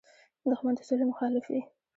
دښمن د سولې مخالف وي